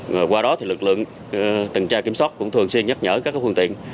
và qua đó thì lực lượng tuần tra kiểm soát cũng thường xuyên nhắc nhở các phương tiện